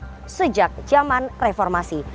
terburuk sejak zaman reformasi